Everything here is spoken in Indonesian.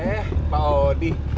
eh pak odi